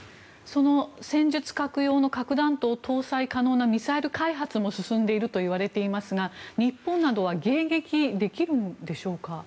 その戦術核用の核弾頭を搭載可能なミサイル開発も進んでいるといわれていますが日本などは迎撃できるんでしょうか。